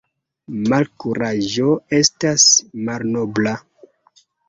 Malkuraĝo estas malnobla.